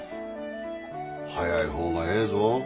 早い方がええぞ。